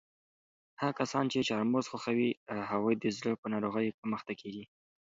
هغه کسان چې چهارمغز خوښوي هغوی د زړه په ناروغیو کم اخته کیږي.